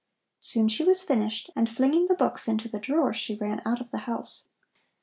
Soon she was finished, and flinging the books into the drawer, she ran out of the house.